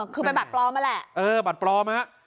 คือเป็นบัตรปลอมนั่นแหละ